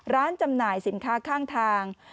จำหน่ายสินค้าข้างทาง